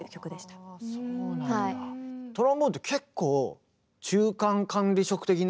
トロンボーンって結構中間管理職的なところも。